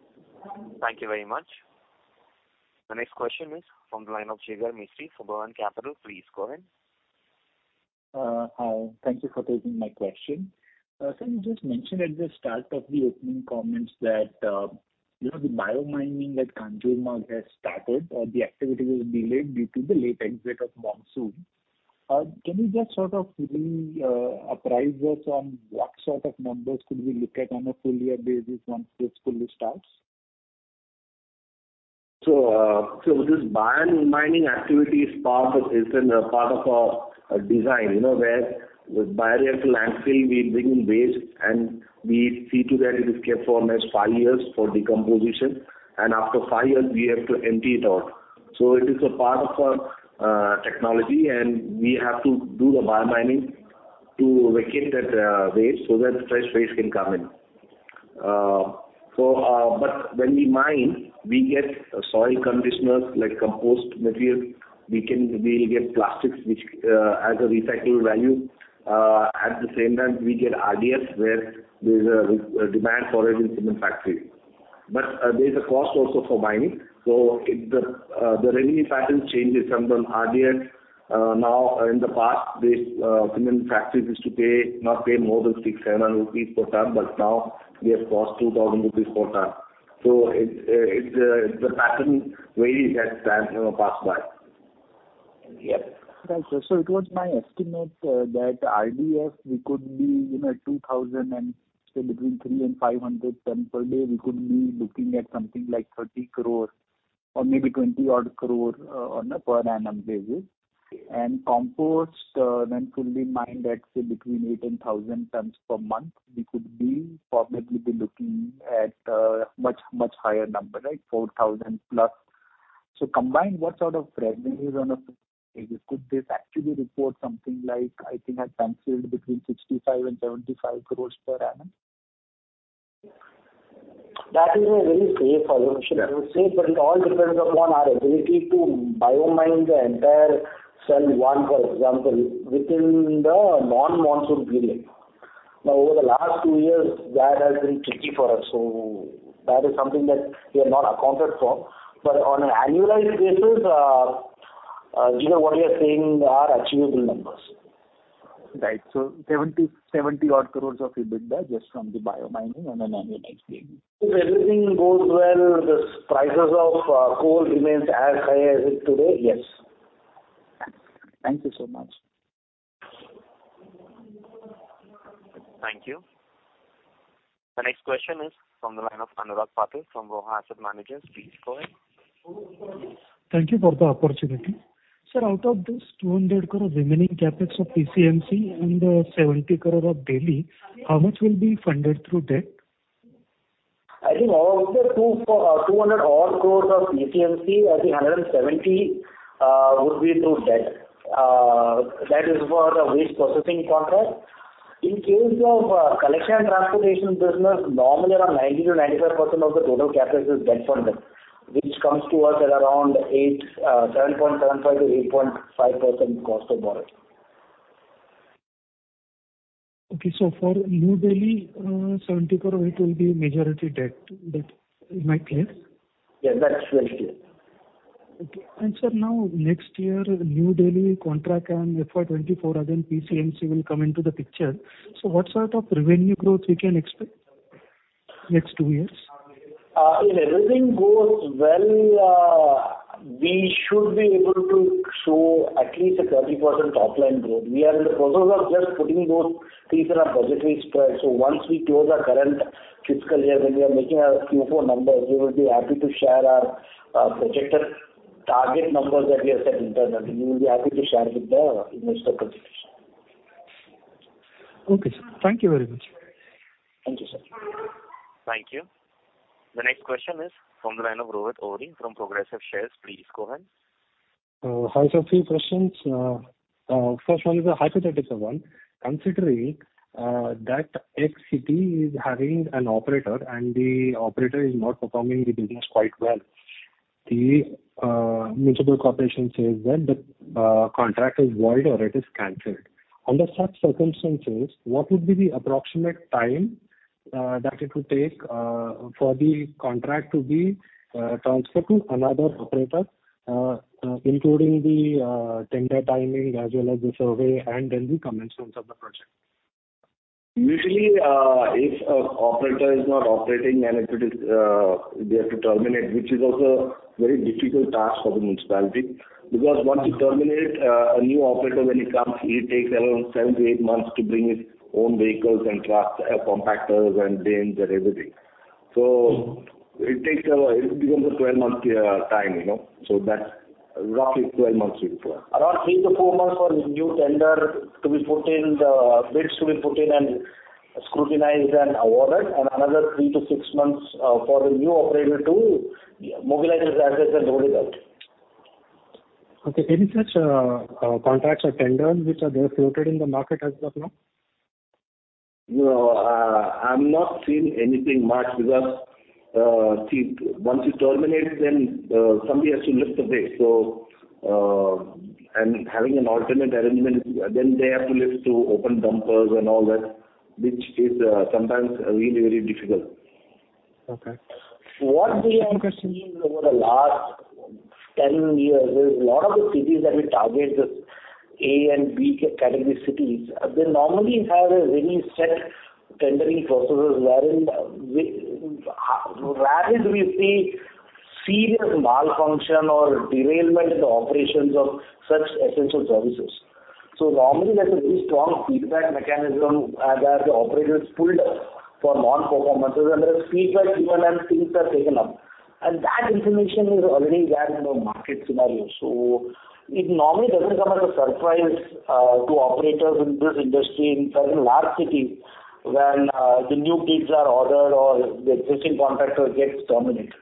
Thank you very much. The next question is from the line of Jigar Mistry, Buoyant Capital. Please go ahead. Hi. Thank you for taking my question. Sir, you just mentioned at the start of the opening comments that, you know, the bio-mining at Kanjurmarg has started or the activity was delayed due to the late exit of monsoon. Can you just sort of maybe apprise us on what sort of numbers could we look at on a full year basis once this fully starts? This bio-mining activity is part of our design, you know, where with bioreactor landfill, we bring in waste and we see to that it is kept for a next five years for decomposition. After five years, we have to empty it out. It is a part of our technology, and we have to do the bio-mining. To vacate that waste so that fresh waste can come in. When we mine, we get soil conditioners like compost material. We can really get plastics which has a recycling value. At the same time, we get RDF where there's a real demand for it in cement factory. There's a cost also for mining. If the revenue pattern changes from the RDF, now in the past, cement factories used to pay not more than 600-700 rupees per ton, but now it costs 2,000 rupees per ton. It's the pattern varies as time, you know, pass by. Yes. It was my estimate that RDF we could be, you know, 2,000 and say between 300-500 tons per day, we could be looking at something like 30 crore or maybe 20-odd crore on a per annum basis. Compost then could be mined at, say, between 800-1,000 tons per month. We could probably be looking at much, much higher number, right? 4,000+. Combined, what sort of revenues could this actually report something like I think calculated between 65 crore-75 crore per annum? That is a very safe assumption. Yeah. Safe, but it all depends upon our ability to bio-mine the entire cell one, for example, within the non-monsoon period. Now, over the last two years, that has been tricky for us. So that is something that we have not accounted for. But on an annualized basis, you know, what you're saying are achievable numbers. Right. 70-odd crore of EBITDA just from the bio-mining on an annualized basis? If everything goes well, the prices of coal remains as high as it today, yes. Thank you so much. Thank you. The next question is from the line of Anurag Patil from ROHA Asset Managers. Please go ahead. Thank you for the opportunity. Sir, out of this 200 crore remaining CapEx of PCMC and 70 crore of Delhi, how much will be funded through debt? I think out of the 200-odd crore of PCMC, I think 170 crore would be through debt. That is for the waste processing contract. In case of collection and transportation business, normally around 90%-95% of the total CapEx is debt funded, which comes to us at around 7.75%-8.5% cost of borrowing. Okay. For New Delhi, 70 crore, it will be majority debt. That. Am I clear? Yes, that's very clear. Okay. Sir, now next year, New Delhi contract and FY 2024 again PCMC will come into the picture. What sort of revenue growth we can expect next two years? If everything goes well, we should be able to show at least 30% top-line growth. We are in the process of just putting those pieces on our budgetary spreads. Once we close our current fiscal year, when we are making our Q4 numbers, we will be happy to share our projected target numbers that we have set internally. We will be happy to share with the investor community. Okay, sir. Thank you very much. Thank you, sir. Thank you. The next question is from the line of Rohit Ohri from Progressive Shares. Please go ahead. Hi, sir. Few questions. First one is a hypothetical one. Considering that X city is having an operator and the operator is not performing the business quite well, the municipal corporation says that the contract is void or it is canceled. Under such circumstances, what would be the approximate time that it will take for the contract to be transferred to another operator, including the tender timing as well as the survey and then the commencement of the project? Usually, if a operator is not operating and if it is, they have to terminate, which is also very difficult task for the municipality. Because once you terminate, a new operator when he comes, he takes around seven to eight months to bring his own vehicles and trucks, compactors and bins and everything. It becomes a 12-month time, you know. That's roughly 12 months required. Around three to four months for the new tender to be put in, the bids to be put in and scrutinized and awarded, and another three-six months for the new operator to mobilize his assets and load it out. Okay. Any such contracts or tenders which are there floated in the market as of now? No, I'm not seeing anything much because, see, once you terminate then, somebody has to lift the waste. Having an alternate arrangement, then they have to lift to open dumpers and all that, which is, sometimes really very difficult. Okay. What we have seen over the last 10 years is a lot of the cities that we target, the A and B category cities. They normally have a very set tendering processes wherein we rarely do we see serious malfunction or derailment in the operations of such essential services. Normally there's a very strong feedback mechanism where the operator is pulled up for non-performance and there is feedback given and things are taken up. That information is already there in the market scenario. It normally doesn't come as a surprise to operators in this industry in certain large cities when the new bids are ordered or the existing contractor gets terminated.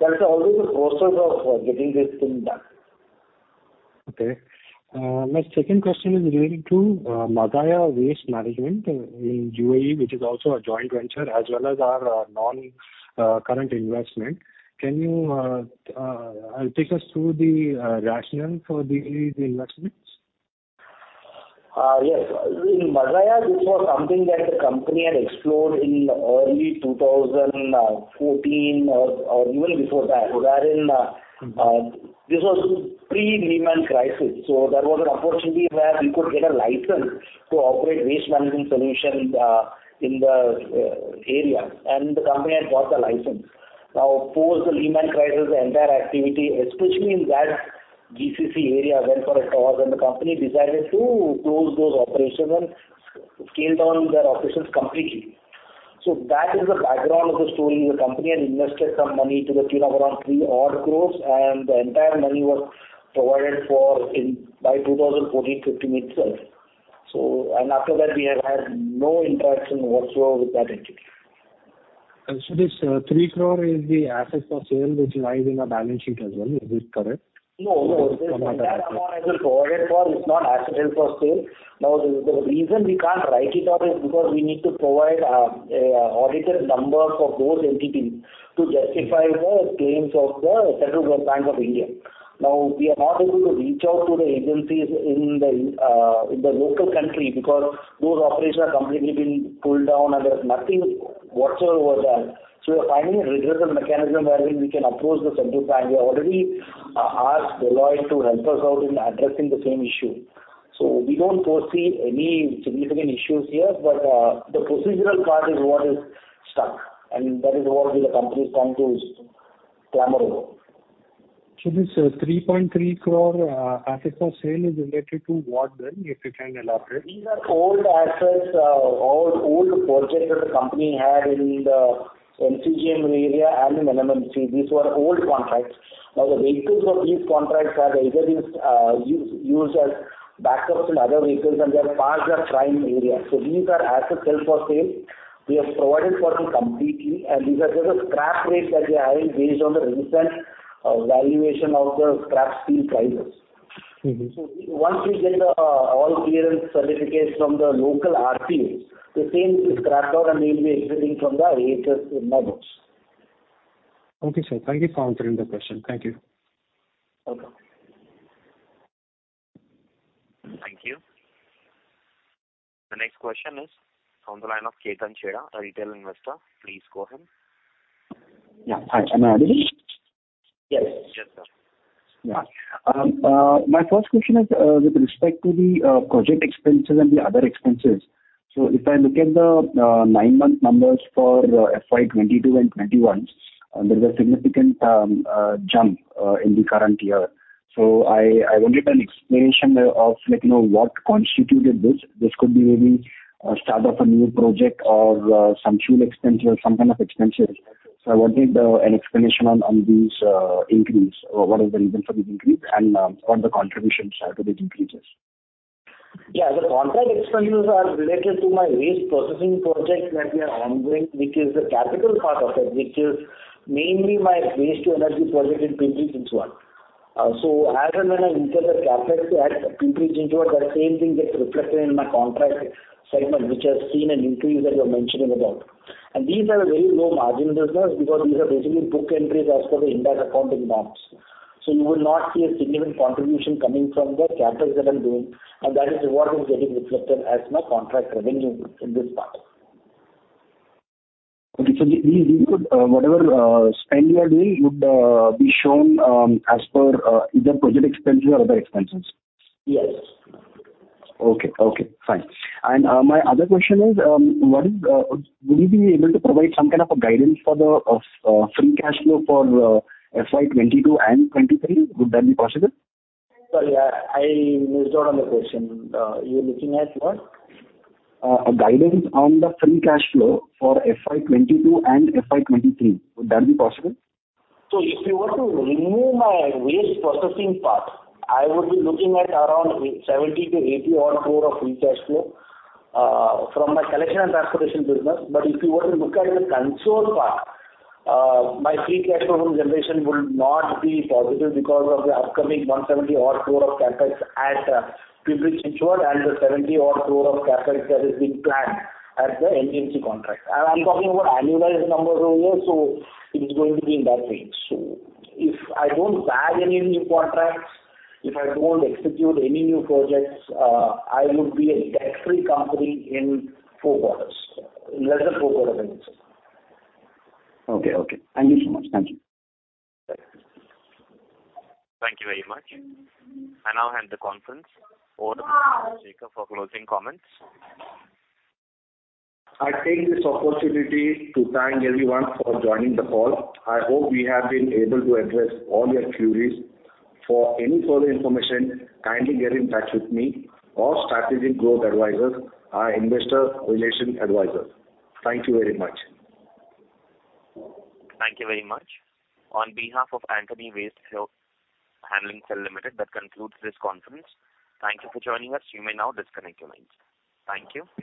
That's always a process of getting this thing done. Okay. My second question is related to Mazaya Waste Management in UAE, which is also a joint venture as well as our non-current investment. Can you take us through the rationale for the investments? Yes. In Mazaya, this was something that the company had explored in early 2014 or even before that, wherein this was pre-Lehman crisis. There was an opportunity where we could get a license to operate waste management solution in the area, and the company had got the license. Now, of course, the Lehman crisis, the entire activity, especially in that GCC area, went for a toss and the company decided to close those operations and scale down their operations completely. That is the background of the story. The company had invested some money to the tune of around 3-odd crore, and the entire money was provided for by 2014, 2015 itself. After that, we have had no interaction whatsoever with that entity. This 3 crore is the asset for sale which lies in the balance sheet as well. Is this correct? No, no. That amount is provided for. It's not asset held for sale. The reason we can't write it off is because we need to provide an audited numbers for those entities to justify the claims of the Central Bank of the UAE. We are not able to reach out to the agencies in the local country because those operations are completely been shut down and there's nothing whatsoever was done. We're finding a redressal mechanism wherein we can approach the Central Bank of the UAE. We already asked Deloitte to help us out in addressing the same issue. We don't foresee any significant issues here. The procedural part is what is stuck, and that is what the company is trying to clamber over. This 3.3 crore asset for sale is related to what then, if you can elaborate? These are old assets or old projects that the company had in the MCGM area and in NMMC. These were old contracts. Now, the vehicles of these contracts are either used as backups in other vehicles, and they have passed their prime. These are assets held for sale. We have provided for them completely. These are just the scrap rates that we are having based on the recent valuation of the scrap steel prices. Mm-hmm. Once we get all clearance certificates from the local RTO, the same scrap value will be exiting from the books. Okay, sir. Thank you for answering the question. Thank you. Welcome. Thank you. The next question is from the line of Ketan Chheda, a Retail Investor. Please go ahead. Yeah. Hi. Am I audible? Yes. Yes, sir. My first question is with respect to the project expenses and the other expenses. If I look at the nine-month numbers for FY 2022 and 2021, there's a significant jump in the current year. I wanted an explanation of, like, you know, what constituted this. This could be maybe a start of a new project or some fuel expense or some kind of expenses. I wanted an explanation on this increase or what is the reason for this increase and what the contributions are to these increases. Yeah. The contract expenses are related to my waste processing project that we are ongoing, which is the capital part of it, which is mainly my waste-to-energy project in Pimpri-Chinchwad. As and when I incur the CapEx at Pimpri-Chinchwad, the same thing gets reflected in my contract segment, which has seen an increase that you're mentioning about. These are very low-margin business because these are basically book entries as per the Indian accounting norms. You will not see a significant contribution coming from the CapEx that I'm doing, and that is what is getting reflected as my contract revenue in this part. Okay. These would, whatever spending you are doing would be shown as per either project expenses or other expenses? Yes. Okay. Okay, fine. My other question is, would you be able to provide some kind of a guidance for the free cash flow for FY 2022 and 2023? Would that be possible? Sorry, I missed out on the question. You're looking at what? Any guidance on the free cash flow for FY 2022 and FY 2023? Would that be possible? If you were to remove my waste processing part, I would be looking at around 70 crore-80-odd crore of free cash flow from my collection and transportation business. If you were to look at the consolidated part, my free cash flow generation would not be positive because of the upcoming 170-odd crore of CapEx at Pimpri-Chinchwad and the 70-odd crore of CapEx that is being planned at the NDMC contract. I'm talking about annualized numbers over here, so it is going to be in that range. If I don't bag any new contracts, if I don't execute any new projects, I would be a debt-free company in four quarters, in less than four quarters initially. Okay. Thank you so much. Thank you. Thank you very much. I now hand the conference over to Jose Jacob for closing comments. I take this opportunity to thank everyone for joining the call. I hope we have been able to address all your queries. For any further information, kindly get in touch with me or Strategic Growth Advisors, our Investor Relations Advisors. Thank you very much. Thank you very much. On behalf of Antony Waste Handling Cell Limited, that concludes this conference. Thank you for joining us. You may now disconnect your lines. Thank you.